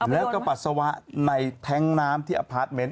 แล้วก็ปัสสาวะในแท้งน้ำที่อพาร์ทเมนต์